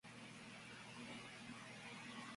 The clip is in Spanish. Este es retratado en la película Bottle Shock.